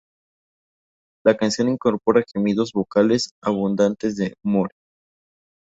La canción incorpora gemidos vocales abundantes de Moore.